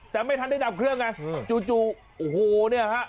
แต่ไม่ทันได้ดับเครื่องไงจู่โอ้โหเนี่ยฮะ